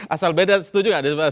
asal beda setuju gak